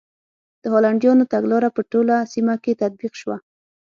د هالنډیانو تګلاره په ټوله سیمه کې تطبیق شوه.